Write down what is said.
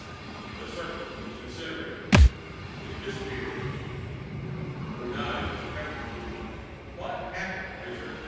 The serpent was incinerated. It disappeared. Brunei was trembling. "What happened, Lazar?"